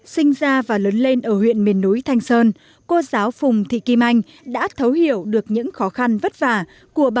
sinh ra và lớn lên ở huyện miền núi thanh sơn cô giáo phùng thị kim anh đã thấu hiểu được những lời khuyên của các thầy cô giáo